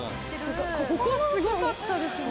ここすごかったですね。